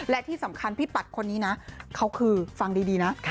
และที่สำคัญพี่ปัดคนนี้นะเขาคือฟังดีนะ